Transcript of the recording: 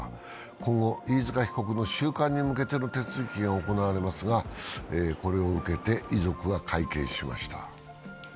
今後、飯塚被告の収監に向けての手続きが行われますがこれを受けて遺族が会見しました。